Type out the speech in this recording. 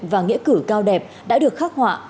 và nghĩa cử cao đẹp đã được khắc họa